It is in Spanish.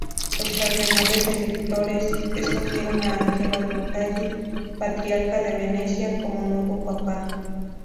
Los cardenales electores escogieron a Angelo Roncalli, patriarca de Venecia, como nuevo papa.